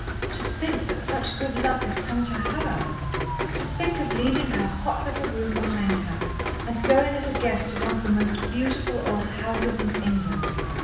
To think that such good luck had come to her! To think of leaving her hot little room behind her and going as a guest to one of the most beautiful old houses in England!